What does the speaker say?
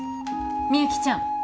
みゆきちゃん